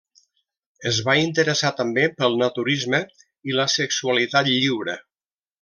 Es va interessar també pel naturisme i la sexualitat lliure.